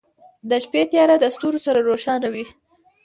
• د شپې تیاره د ستورو سره روښانه وي.